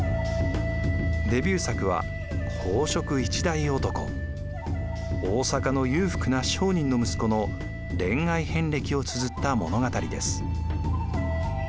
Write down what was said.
デビュー作は大坂の裕福な商人の息子の恋愛遍歴をつづった物語です。